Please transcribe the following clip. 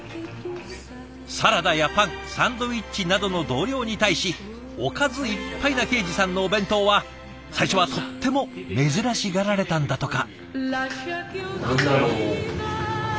サラダやパンサンドイッチなどの同僚に対しおかずいっぱいな恵司さんのお弁当は最初はとっても珍しがられたんだとか。